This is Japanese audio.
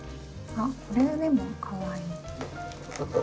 あっこれでもかわいい。